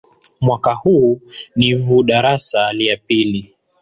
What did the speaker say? Mwaka huo nivu darasa lya pili